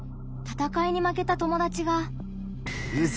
たたかいに負けた友達が。